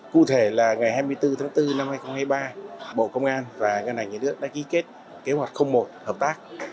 cụ thể là ngày hai mươi bốn tháng bốn năm hai nghìn hai mươi ba bộ công an và ngân hàng nhà nước đã ký kết kế hoạch một hợp tác